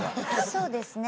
そうですね。